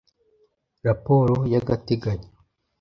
Raporo y ‘agateganyo.